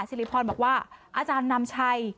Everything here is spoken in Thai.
สิริพรบอกว่าอาจารย์นำชัย